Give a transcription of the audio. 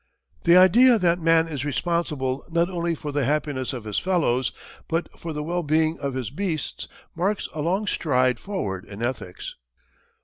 The idea that man is responsible not only for the happiness of his fellows, but for the well being of his beasts marks a long stride forward in ethics.